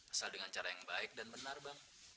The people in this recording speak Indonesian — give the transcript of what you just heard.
asal dengan cara yang baik dan benar bang